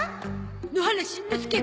野原しんのすけ。